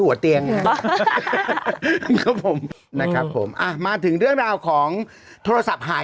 เตียงครับผมนะครับผมอ่ะมาถึงเรื่องราวของโทรศัพท์หาย